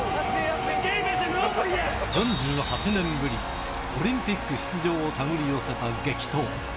４８年ぶりオリンピック出場を手繰り寄せた激闘。